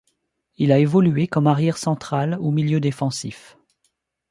Il a évolué comme arrière central ou milieu défensif.